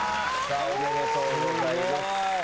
おめでとうございます。